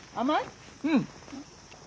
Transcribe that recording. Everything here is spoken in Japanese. うん。